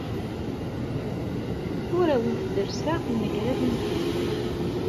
Ur awent-derrseɣ imagraden-nwent.